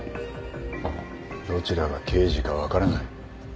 どちらが刑事か分からない。